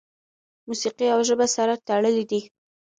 موسیقي او ژبه سره تړلي دي.